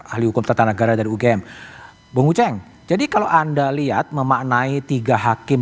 ahli hukum tata negara dari ugm bung uceng jadi kalau anda lihat memaknai tiga hakim